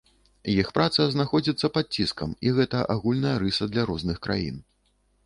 Іх праца знаходзіцца пад ціскам, і гэта агульная рыса для розных краін.